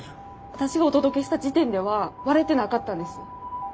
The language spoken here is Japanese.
私がお届けした時点では割れてなかったんです。